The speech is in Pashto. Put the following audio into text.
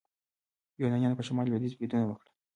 یونانیانو په شمال لویدیځ بریدونه وکړل.